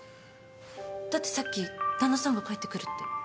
だってさっき旦那さんが帰ってくるって。